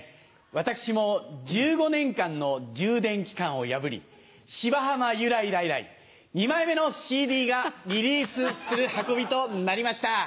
私も１５年間の充電期間を破り『芝浜ゆらゆら』以来２枚目のＣＤがリリースする運びとなりました。